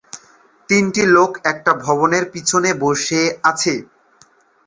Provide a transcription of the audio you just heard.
তিনজন লোক একটা ভবনের পিছনে বসে আছে।